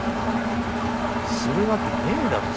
するわけねえだろ